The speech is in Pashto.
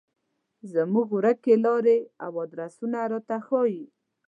زموږ ورکې لارې او ادرسونه راته ښيي.